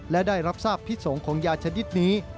และได้รับทราบพิสงฆ์ของยาชนิดนี้